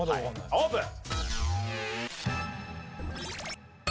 Ｂオープン！